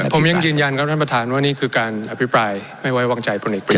ผมยังยืนยันครับท่านประธานว่านี่คือการอภิปรายไม่ไว้วางใจพลเอกประ